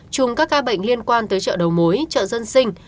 chùm các ca bệnh liên quan tới chợ đầu mối chợ dân sinh